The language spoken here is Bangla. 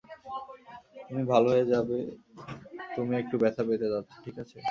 তুমি ভাল হয়ে যাবে তুমি একটু ব্যথা পেতে যাচ্ছো, ঠিক আছে?